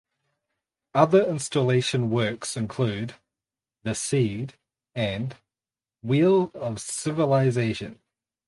Other installation works include "The Seed" and "Wheel Of Civilization".